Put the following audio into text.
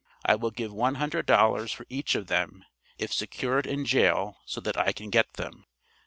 I will give one hundred dollars for each of them, if secured in jail so that I can get them.